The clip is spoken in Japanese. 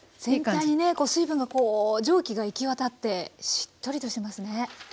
全体にねこう水分が蒸気が行き渡ってしっとりとしてますね。